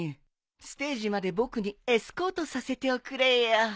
ステージまで僕にエスコートさせておくれよ。